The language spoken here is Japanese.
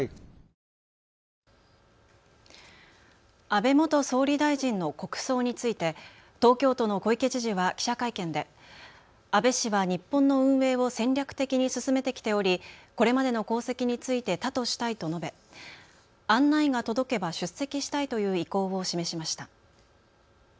安倍元総理大臣の国葬について東京都の小池知事は記者会見で安倍氏は日本の運営を戦略的に進めてきており、これまでの功績について多としたいと述べ案内が届けば出席したいという意向を示しました。